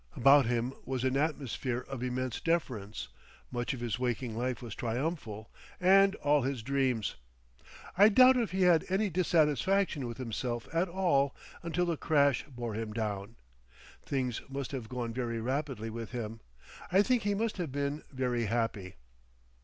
About him was an atmosphere of immense deference much of his waking life was triumphal and all his dreams. I doubt if he had any dissatisfaction with himself at all until the crash bore him down. Things must have gone very rapidly with him.... I think he must have been very happy.